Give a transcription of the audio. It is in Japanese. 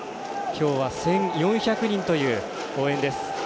今日は１４００人という応援です。